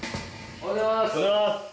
おはようございます。